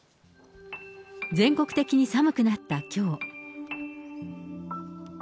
全国的に寒くなったきょう。